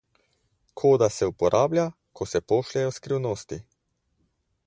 Koda se uporablja, ko se pošljejo skrivnosti.